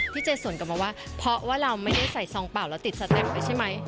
เจสวนกลับมาว่าเพราะว่าเราไม่ได้ใส่ซองเปล่าแล้วติดสเต็ปไปใช่ไหม